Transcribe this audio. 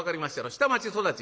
下町育ち。